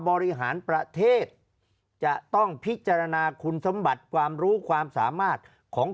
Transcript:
บริหารประเทศจะต้องพิจารณาคุณสมบัติความรู้ความสามารถของ